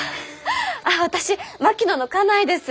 あっ私槙野の家内です。